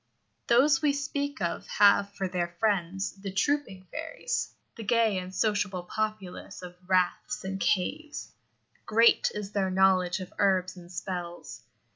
Those we speak of have for their friends the trooping fairies the gay and sociable populace of raths and caves. Great is their knowledge of herbs and spells.